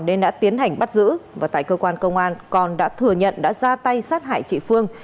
nên đã tiến hành bắt giữ và tại cơ quan công an còn đã thừa nhận đã ra tay sát hại chị phương